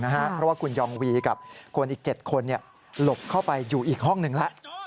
เพราะว่าคุณยองวีกับคนอีก๗คนหลบเข้าไปอยู่อีกห้องหนึ่งแล้ว